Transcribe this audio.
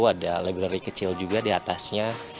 ada library kecil juga di atasnya